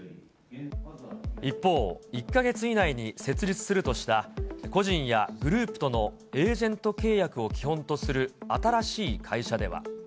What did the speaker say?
一方、１か月以内に設立するとした、個人やグループとのエージェント契約を基本とする新しい会社では。